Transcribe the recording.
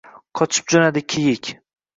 Qochib jo‘nadi kiyik